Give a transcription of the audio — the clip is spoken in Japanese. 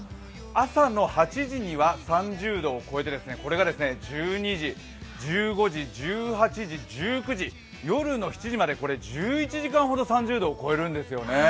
朝の８時には３０度を超えて、これが夜の７時まで１１時間ほど３０度を超えるんですよね。